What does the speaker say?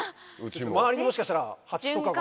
周りにもしかしたら蜂とかが。